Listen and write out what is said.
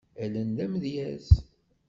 Allen d amedyaz.